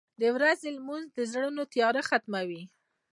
• د ورځې لمونځ د زړونو تیاره ختموي.